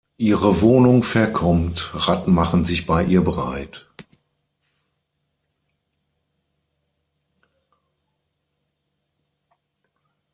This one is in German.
Ihre Wohnung verkommt, Ratten machen sich bei ihr breit.